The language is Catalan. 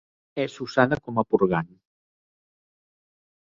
És usada com a purgant.